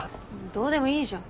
どうでもいいじゃん。